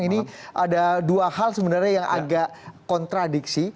ini ada dua hal sebenarnya yang agak kontradiksi